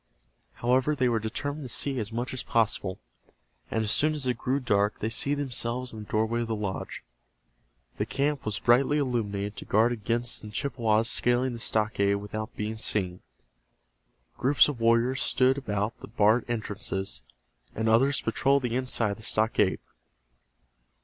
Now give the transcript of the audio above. However, they were determined to see as much as possible, and as soon as it grew dark they seated themselves in the doorway of the lodge. The camp was brightly illuminated to guard against the Chippewas scaling the stockade without being seen. Groups of warriors stood about the barred entrances, and others patrolled the inside of the stockade.